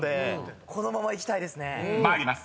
［参ります。